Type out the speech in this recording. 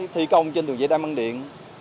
thi công trên đường dây đang mang điện